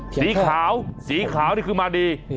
สีขาวสีขาวนี่คือมาดี